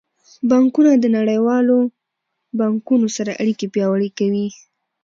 بانکونه د نړیوالو بانکونو سره اړیکې پیاوړې کوي.